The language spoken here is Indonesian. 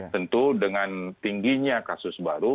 tentu dengan tingginya kasus baru